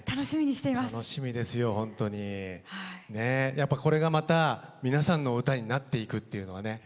やっぱこれがまた皆さんの歌になっていくっていうのはね